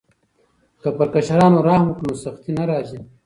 که پر کشرانو رحم وکړو نو سختي نه راځي.